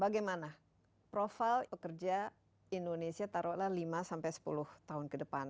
bagaimana profil pekerja indonesia taruhlah lima sampai sepuluh tahun ke depan